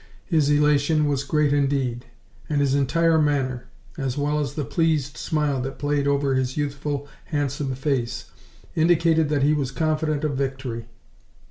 His elation was great indeed, and his entire manner, as well as the pleased smile that played over his youthful, handsome face, indicated that he was confident of victory.